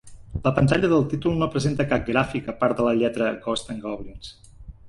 La pantalla del títol no presenta cap gràfic a part de la lletra "Ghosts 'n Goblins".